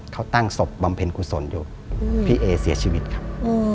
เขาตั้งศพบำเพ็ญกุศลอยู่พี่เอเสียชีวิตครับ